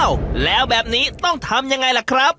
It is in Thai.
แล้วแบบนี้ต้องทำยังไงล่ะครับ